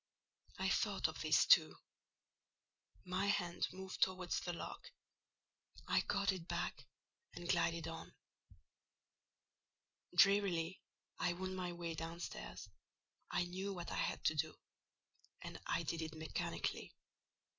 I thought of this too. My hand moved towards the lock: I caught it back, and glided on. Drearily I wound my way downstairs: I knew what I had to do, and I did it mechanically.